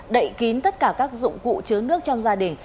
đậy kín tất cả các dụng cụ chứa nước trong gia đình